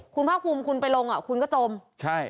คุณภาคภูมิคุณไปลงอ่ะคุณก็จมใช่